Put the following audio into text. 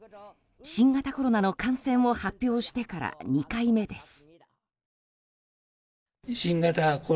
新型コロナの感染を発表してから２回目です。